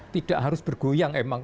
tidak harus bergoyang emang